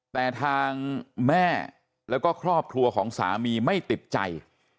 แต่ทางแม่แล้วก็ครอบครัวของสามีไม่ติดใจ